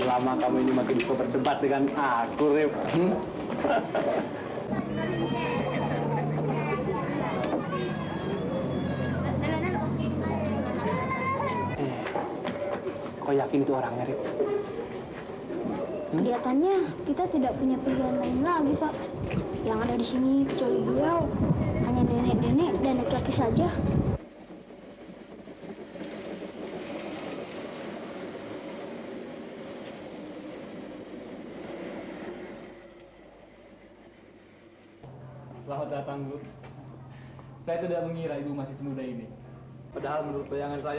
waktu waktu adalah uang waktu kesempatan dan dari kesempatan itu lah bisa bisa memproyeksi